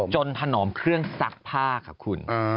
ถนอมเครื่องซักผ้าค่ะคุณ